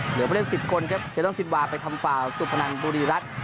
เหลือเวลาเล่น๑๐คนครับเดี๋ยวต้องสินวาไปทำฝ่าสุภัณฑ์บุรีรัตน์